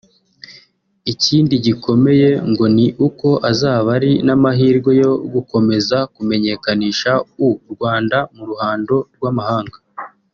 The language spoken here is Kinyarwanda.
Ikindi gikomeye ngo ni uko azaba ari n’amahirwe yo gukomeza kumenyekanisha u Rwanda mu ruhando rw’amahanga